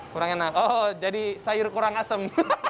kurang enak oh jadi sayur kurang asem